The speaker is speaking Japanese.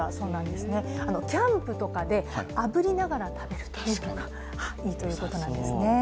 キャンプとかであぶりながら食べるというのがいいということなんですね。